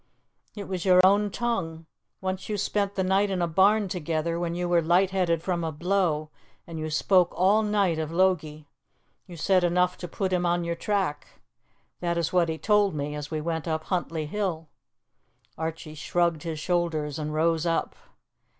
"It was your own tongue: once you spent the night in a barn together when you were light headed from a blow, and you spoke all night of Logie. You said enough to put him on your track. That is what he told me as we went up Huntly Hill." Archie shrugged his shoulders and rose up.